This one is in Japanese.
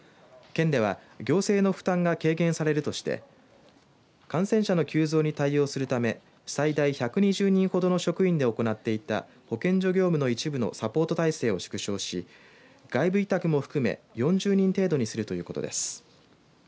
県では行政の負担が軽減されるとして感染者の急増に対応するため最大１２０人ほどの職員で行っていた保健所業務の一部のサポート体制を縮小し外部委託も含め４０人程度にするということです。